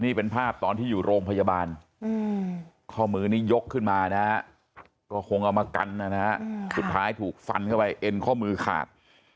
นี่เป็นภาพตอนที่อยู่โรงพยาบาลข้อมือนี้ยกขึ้นมานะฮะก็คงเอามากันนะฮะสุดท้ายถูกฟันเข้าไปเอ็นข้อมือขาด